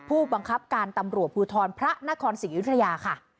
ผู้บังคับการตำรวจภูทรพระนครศรีอยุธยาค่ะ